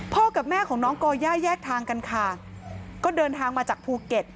กับแม่ของน้องก่อย่าแยกทางกันค่ะก็เดินทางมาจากภูเก็ต